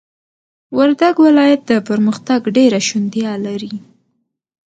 وردگ ولايت د پرمختگ ډېره شونتيا لري،